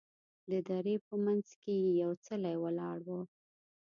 د درې په منځ کې یې یو څلی ولاړ و.